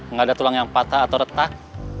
nggak ada tulang yang patah atau retak